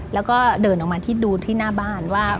แล้วก็เดินออกมาที่ดูที่หน้าบ้านว่า